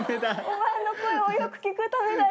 お前の声をよく聞くためだ。